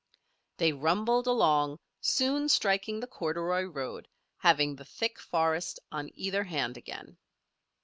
They rumbled along, soon striking the corduroy road, having the thick forest on either hand again.